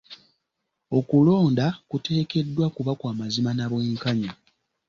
Okulonda kuteekeddwa kuba kwa mazima na bwenkanya.